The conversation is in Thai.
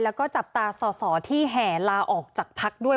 แล้วก็จับตาสอสอที่แห่ลาออกจากพักด้วย